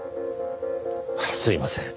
ああすいません。